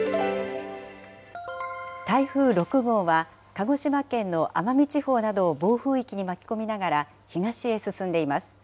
台風６号は鹿児島県の奄美地方などを暴風域に巻き込みながら東へ進んでいます。